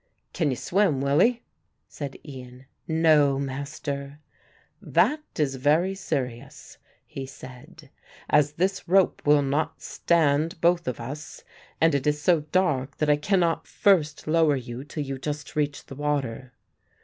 "Can you swim, Willie?" said Ian. "No, Master." "That is very serious," he said, "as this rope will not stand both of us, and it is so dark that I cannot first lower you till you just reach the water."